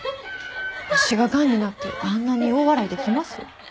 推しががんになってあんなに大笑いできます？